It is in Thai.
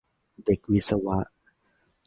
เด็กวิศวะ